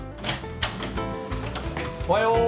おはよう。